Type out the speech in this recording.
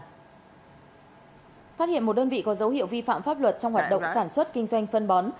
phát hiện một đơn vị có dấu hiệu vi phạm pháp luật trong hoạt động sản xuất kinh doanh phân bó